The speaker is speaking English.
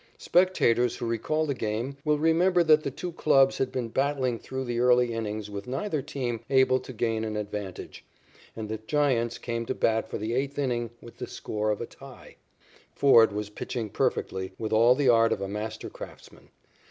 Spectators who recall the game will remember that the two clubs had been battling through the early innings with neither team able to gain an advantage, and the Giants came to bat for the eighth inning with the score a tie. Ford was pitching perfectly with all the art of a master craftsman.